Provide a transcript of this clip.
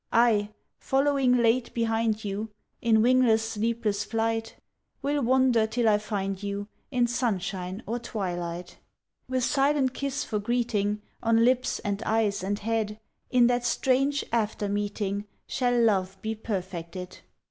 I, following late behind you, In wingless sleepless flight, Will wander till I find you, In sunshine or twilight; With silent kiss for greeting On lips and eyes and head, In that strange after meeting Shall love be perfected.